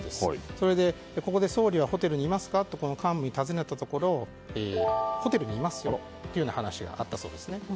それでここで総理がホテルにいますかと幹部に尋ねたところホテルにいますよというふうな話があったそうなんですね。